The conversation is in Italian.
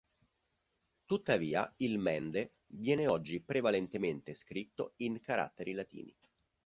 Tuttavia il mende viene oggi prevalentemente scritto in caratteri latini.